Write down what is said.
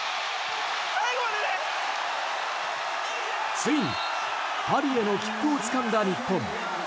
ついにパリへの切符をつかんだ日本。